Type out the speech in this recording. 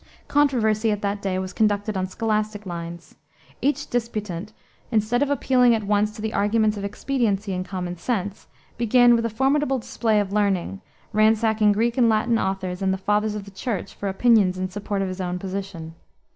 Controversy at that day was conducted on scholastic lines. Each disputant, instead of appealing at once to the arguments of expediency and common sense, began with a formidable display of learning, ransacking Greek and Latin authors and the fathers of the Church for opinions in support of his own position.